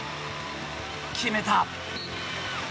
決めた。